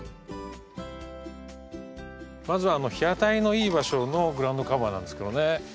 まずは日当たりのいい場所のグラウンドカバーなんですけどね。